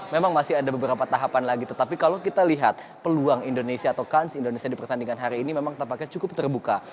memang masih ada beberapa tahapan lagi tetapi kalau kita lihat peluang indonesia atau kans indonesia di pertandingan hari ini memang tampaknya cukup terbuka